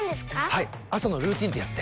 はい朝のルーティンってやつで。